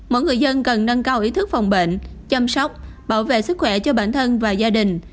mỗi người dân cần nâng cao ý thức phòng bệnh chăm sóc bảo vệ sức khỏe cho bản thân và gia đình